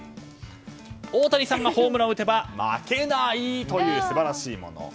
オオタニサンがホームランを打てば負けないという素晴らしいもの。